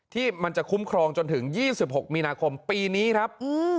ที่มันจะคุ้มครองจนถึง๒๖มีนาคมปีนี้ครับ